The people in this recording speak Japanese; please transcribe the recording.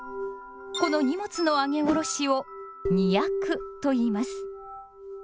この荷物のあげおろしを「荷役」といいます。